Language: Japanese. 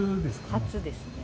初ですね。